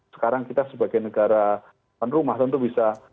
sekarang kita sebagai negara tuan rumah tentu bisa